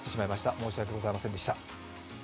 申し訳ございませんでした。